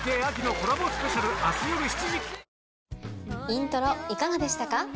『イントロ』いかがでしたか？